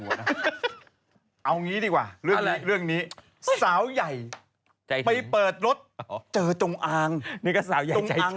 เอางี้ดีกว่าเรื่องนี้สาวใหญ่ไปเปิดรถเจอจงอางนี่ก็สาวใหญ่ช้าง